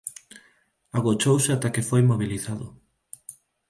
Agochouse ata que foi mobilizado.